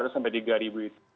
dua lima ratus sampai tiga